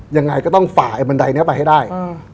ยังไงก็ต้องฝ่าไอบันไดนี้ไปให้ได้